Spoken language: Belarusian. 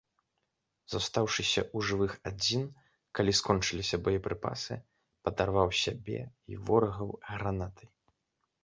Застаўшыся ў жывых адзін, калі скончыліся боепрыпасы, падарваў сябе і ворагаў гранатай.